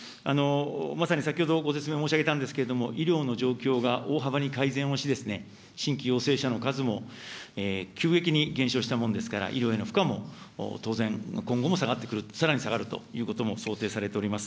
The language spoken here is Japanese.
まさに先ほどご説明申し上げたんですけれども、医療の状況が大幅に改善をしですね、新規陽性者の数も急激に減少したものですから、医療への負荷も当然、今後も下がってくる、さらに下がるということも想定されております。